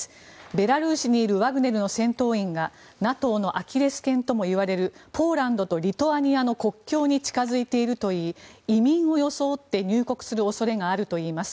ベラルーシにいるワグネルの戦闘員がＮＡＴＯのアキレス腱ともいわれるポーランドとリトアニアの国境に近付いているといい移民を装って入国する恐れがあるといいます。